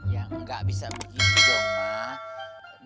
ya enggak bisa begitu dong ma